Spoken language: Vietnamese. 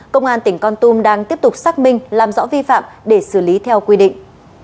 công an tỉnh con tum đang tiếp tục xác minh làm rõ vi phạm để xử lý theo quy định